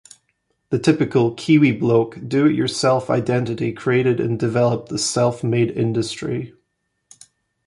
The typical "kiwi bloke" "do-it-yourself" identity created and developed this self-made industry.